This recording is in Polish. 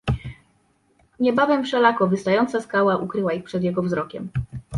"Niebawem wszelako wystająca skała ukryła ich przed jego wzrokiem."